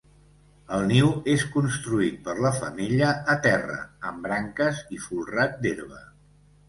El niu és construït per la femella a terra amb branques i folrat d'herba.